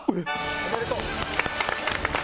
おめでとう。